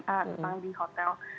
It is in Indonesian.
tetap di hotel